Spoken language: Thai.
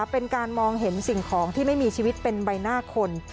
เป็นการมองเห็นสิ่งของที่ไม่มีชีวิตเป็นใบหน้าคน